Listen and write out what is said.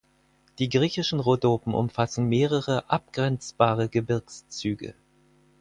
Die griechischen Rhodopen umfassen mehrere, abgrenzbare Gebirgszüge.